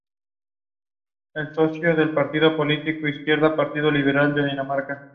Estas amistades lograron que fuese además arquitecto diocesano de Salamanca, Zamora y Ciudad Rodrigo.